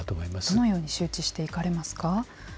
どのように周知していかれますか。